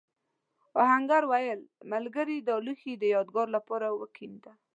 آهنګر وویل ملګري دا لوښی د یادگار لپاره وکېنده.